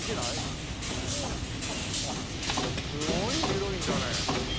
あっすごい広いんだね。